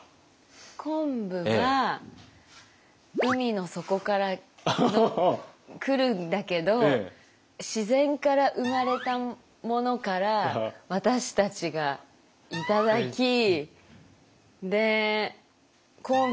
昆布は海の底からくるんだけど自然から生まれたものから私たちが頂きで昆布を結び。